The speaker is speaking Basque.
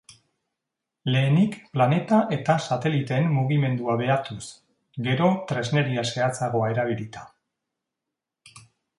Lehenik planeta eta sateliteen mugimendua behatuz, gero tresneria zehatzagoa erabilita.